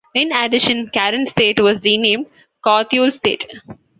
In addition, Karen State was renamed Kawthule State.